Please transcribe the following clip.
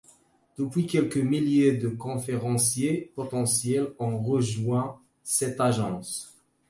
Depuis, quelques milliers de conférenciers potentiels ont rejoint cette agence.